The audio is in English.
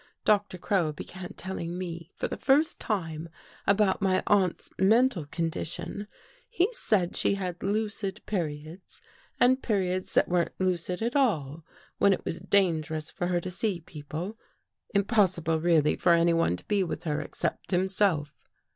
Doctor Crow began telling me, for the first time, about my aunt's mental condition. He said she had lucid periods and periods that weren't lucid at all when it was dangerous for her to see peo ple — impossible really for anyone to be with her, except himself.